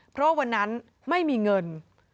เพราะวันนั้นไม่มีเงิน